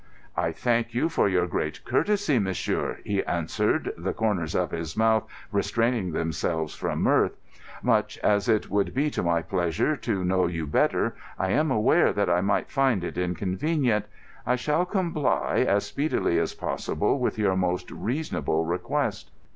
"I thank you for your great courtesy, monsieur," he answered, the corners of his mouth restraining themselves from mirth. "Much as it would be to my pleasure to know you better, I am aware that I might find it inconvenient. I shall comply as speedily as possible with your most reasonable request."